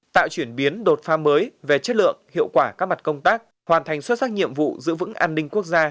tạo chuyển biến đột phá mới về chất lượng hiệu quả các mặt công tác hoàn thành xuất sắc nhiệm vụ giữ vững an ninh quốc gia